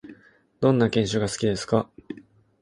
どんな犬種が好きですか？